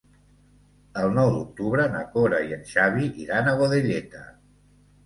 El nou d'octubre na Cora i en Xavi iran a Godelleta.